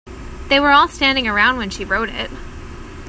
They were all standing around when she wrote it.